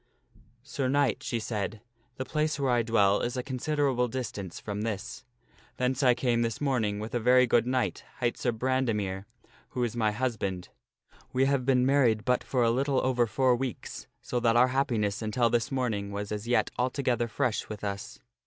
"Sir Knight," she said, "the place where I dwell is a considerable dis tance from this. Thence I came this morning with a very good knight, The sorrowful hig nt Sir Brandemere, who is my husband. We have been lady telleth her married but for a little over four weeks, so that our happiness until this morning was as yet altogether fresh with us.